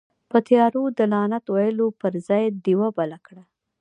په تيارو ده لعنت ويلو پر ځئ، ډيوه بله کړه.